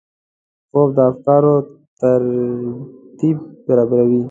خوب د افکارو ترتیب برابروي